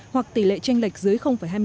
hoặc tỷ lệ tranh lệch dưới hai mươi năm